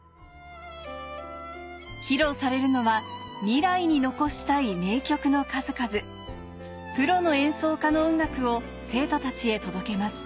披露されるのは未来に残したい名曲の数々プロの演奏家の音楽を生徒たちへ届けます